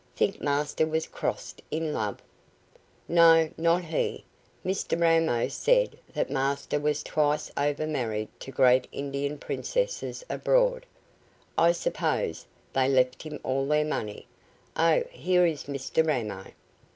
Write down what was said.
Think master was crossed in love?" "No. Not he. Mr Ramo said that master was twice over married to great Indian princesses, abroad. I s'pose they left him all their money. Oh, here is Mr Ramo!"